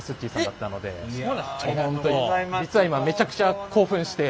実は今めちゃくちゃ興奮して。